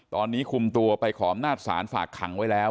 ตอนนี้คุมตัวไปขออำนาจศาลฝากขังไว้แล้ว